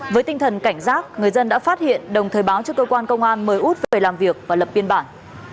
với tinh thần cảnh giác người dân đã phát hiện đồng thời báo cho cơ quan công an mời út về làm việc và lập biên bản